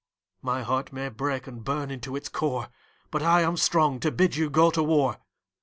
My heart may break and burn into its core, But I am strong to bid you go to war.